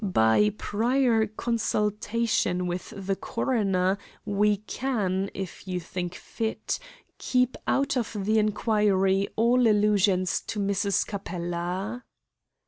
By prior consultation with the coroner we can, if you think fit, keep out of the inquiry all allusions to Mrs. Capella."